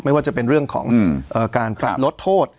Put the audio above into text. ว่าจะเป็นเรื่องของการปรับลดโทษ